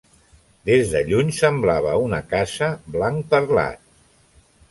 Des de lluny semblava una casa "blanc perlat".